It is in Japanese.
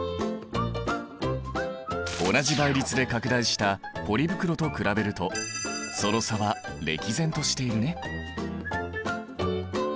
同じ倍率で拡大したポリ袋と比べるとその差は歴然としているね。